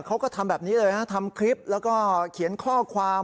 เขาก็ทำแบบนี้เลยฮะทำคลิปแล้วก็เขียนข้อความ